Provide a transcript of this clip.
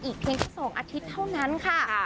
อีกให้ใน๒อาทิตย์เท่านั้นค่ะ